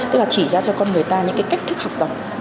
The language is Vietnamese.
tức là chỉ ra cho con người ta những cái cách thức học tập